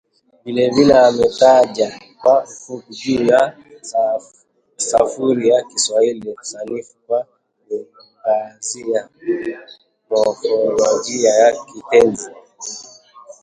Vilevile ametaja kwa ufupi juu ya sarufi ya Kiswahili Sanifu kwa kuangazia mofolojia ya kitenzi